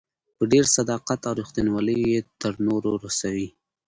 په ډېر صداقت او ريښتينوالۍ يې تر نورو رسوي.